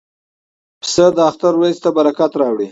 پسه د اختر ورځې ته برکت راوړي.